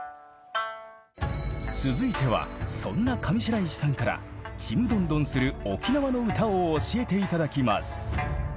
続いてはそんな上白石さんから「ちむどんどん」する沖縄の歌を教えて頂きます。